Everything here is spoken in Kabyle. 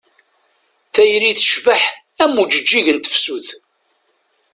Tayri tecbeḥ am ujeǧǧig n tefsut.